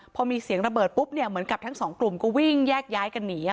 พอมีเสียงระเบิดปุ๊บเหมือนกับทั้งสองกลุ่มก็วิ่งแยกย้ายกันหนี